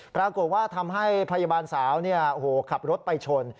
ปรากฏว่าทำให้พยาบาลสาวขับรถไปชน